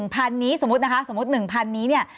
๑พันธุ์นี้สมมุตินะคะสมมุติ๑พันธุ์นี้เนี่ย